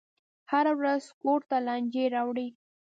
هره ورځ کور ته لانجې راوړي.